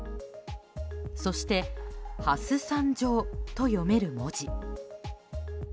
そして「ハス参上」と読める文字。